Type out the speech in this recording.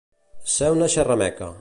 Ser una xerrameca.